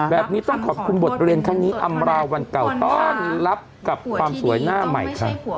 แบบนี้ขอบคุณบทเรียนอำลาวันเก่าต้อนรับความสวยหน้าใหม่